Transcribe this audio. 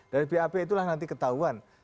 dari bap itulah nanti ketahuan